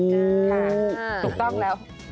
ต้องแล้ว